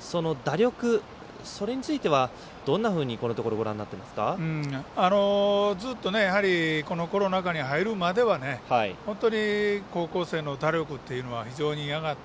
その打力、それについてはどんなふうに、このところご覧になっていますか？ずっとこのコロナ禍に入るまでは本当に高校生の打力というのは非常に上がった。